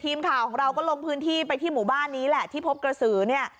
ทีมข่าวของเราก็ลงพื้นที่ไปที่หมู่บ้านนี้แหละที่พบกระสือเนี่ย